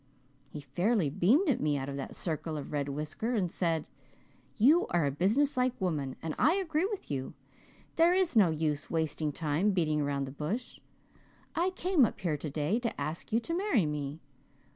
He fairly beamed at me out of that circle of red whisker, and said, 'You are a business like woman and I agree with you. There is no use in wasting time beating around the bush. I came up here today to ask you to marry me.'